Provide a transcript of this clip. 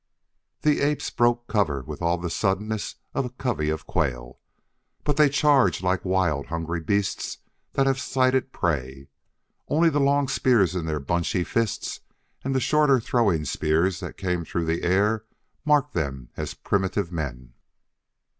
The apes broke cover with all the suddenness of a covey of quail, but they charged like wild, hungry beasts that have sighted prey. Only the long spears in their bunchy fists and the shorter throwing spears that came through the air marked them as primitive men.